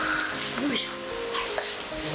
よいしょ。